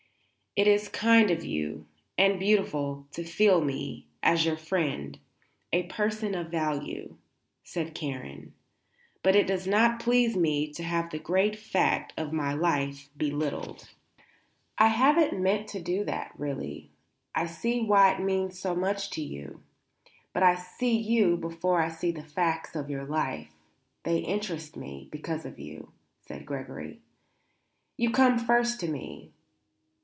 "It is kind of you, and beautiful, to feel me, as your friend, a person of value," said Karen. "But it does not please me to have the great fact of my life belittled." "I haven't meant to do that, really. I see why it means so much, to you. But I see you before I see the facts of your life; they interest me because of you," said Gregory. "You come first to me.